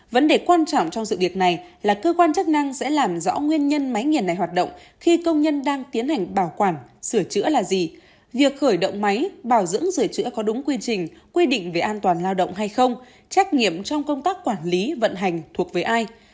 vấn đề quan trọng trong dự định này là cơ quan chức năng sẽ làm rõ nguyên nhân máy nghiền này hoạt động khi công nhân đang tiến hành bảo quản sửa chữa là gì việc khởi động máy bảo dưỡng sửa chữa có đúng quy trình quy định về an toàn lao động hay không trách nhiệm trong công tác quản lý vận hành thuộc với ai